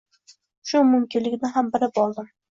Shu mumkinligini ham bilib oldim.